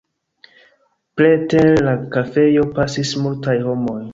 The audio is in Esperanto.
Preter la kafejo pasis multaj homoj.